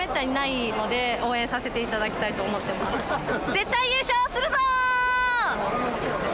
絶対優勝するぞ！